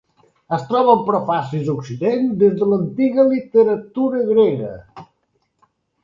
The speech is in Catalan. Es troben prefacis a Occident des de l'antiga literatura grega.